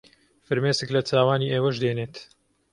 فرمێسک لە چاوانی ئێوەش دێنێت